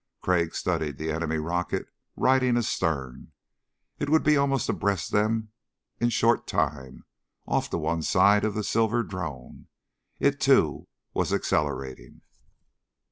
Crag studied the enemy rocket riding astern. It would be almost abreast them in short time, off to one side of the silver drone. It, too, was accelerating.